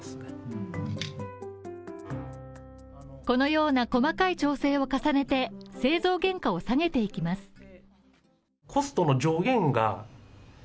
このような細かい調整を重ねて製造原価を下げていきます。